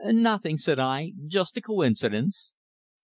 "Nothing," said I; "just a coincidence!"